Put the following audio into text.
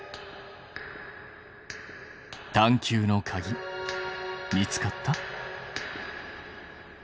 探究のかぎ見つかった？